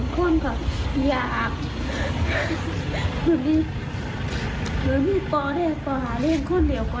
เป็นอาเลงดูสองคนค่ะ